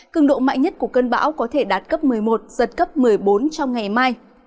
cường độ mạnh nhất của cơn bão có thể đạt cấp một mươi một giật cấp một mươi bốn trong ngày mai